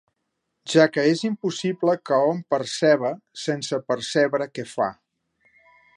Ja que és impossible que hom perceba sense percebre què fa.